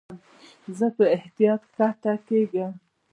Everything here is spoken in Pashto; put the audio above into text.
زه په احتیاط کښته کېږم.